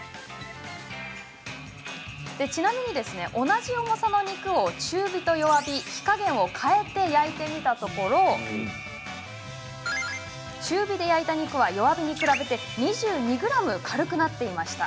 ちなみに、同じ重さの肉を中火と弱火、火加減を変えて焼いてみたところ中火で焼いた肉は弱火に比べて２２ｇ軽くなっていました。